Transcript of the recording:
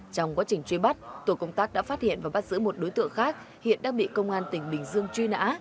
trong quá trình truy bắt tổ công tác đã phát hiện và bắt giữ một đối tượng khác hiện đang bị công an tỉnh bình dương truy nã